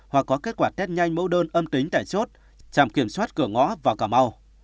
hoặc có kết quả test nhanh mẫu đơn âm tính tại chốt trạm kiểm soát cửa ngõ vào cà mau